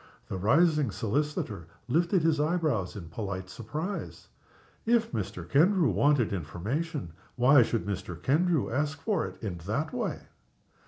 The rising solicitor lifted his eyebrows in polite surprise. If Mr. Kendrew wanted information, why should Mr. Kendrew ask for it in that way?